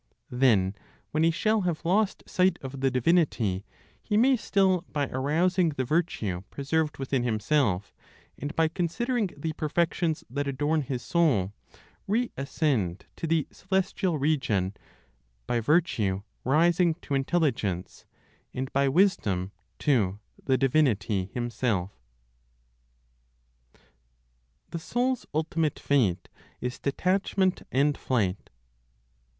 Then, when he shall have lost sight of the divinity, he may still, by arousing the virtue preserved within himself, and by considering the perfections that adorn his soul, reascend to the celestial region, by virtue rising to Intelligence, and by wisdom to the Divinity Himself. THE SOUL'S ULTIMATE FATE IS DETACHMENT AND FLIGHT.